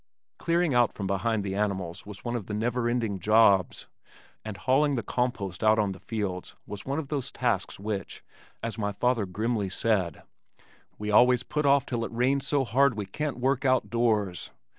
Clearing out from behind the animals was one of our never ending jobs, and hauling the compost out on the fields was one of the tasks which, as my father grimly said, "We always put off till it rains so hard we can't work out doors."